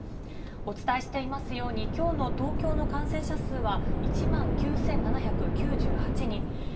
お伝えしていますように、きょうの東京の感染者数は、１万９７９８人。